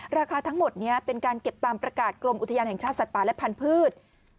ราคาทั้งหมดนี้เป็นการเก็บตามประกาศกรมอุทยานแห่งชาติสัตว์ป่าและพันธุ์